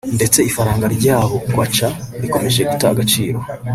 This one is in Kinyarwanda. ndetse ifaranga ryabo (Kwaca) rikomeje guta agaciro